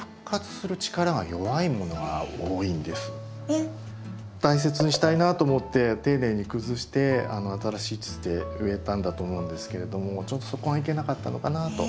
あの大切にしたいなと思って丁寧に崩して新しい土で植えたんだと思うんですけれどもちょっとそこがいけなかったのかなと。